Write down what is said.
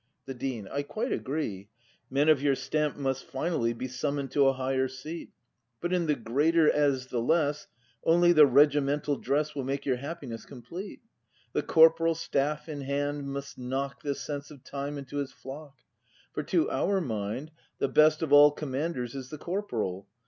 The Dean. I quite agree. Men of your stamp must finally Be summon 'd to a higher seat; But, in the greater as the less, Only the regimental dress Will make your happiness complete. The corporal, staff in hand, must knock The sense of Time into his flock; For, to our mind, the best of all Commanders is the corporal.